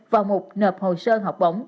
vào mục nợp hồ sơ học bổng